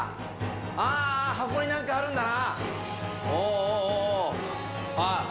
あー、箱になんかあるんだな。